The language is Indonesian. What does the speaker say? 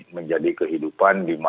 menjadi kehidupan yang lebih baik